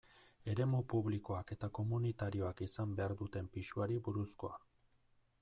Eremu publikoak eta komunitarioak izan behar duten pisuari buruzkoa.